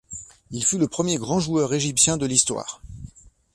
Il fut le premier grand joueur égyptien de l'histoire.